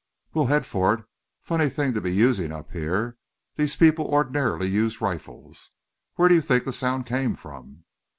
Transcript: "We will head for it. Funny thing to be using up here. These people ordinarily use rifles. Where did you think the sound came from?"